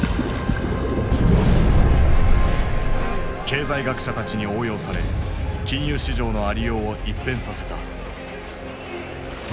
経済学者たちに応用され金融市場のありようを一変させた。